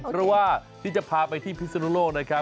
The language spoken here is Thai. เพราะว่าที่จะพาไปที่พิศนุโลกนะครับ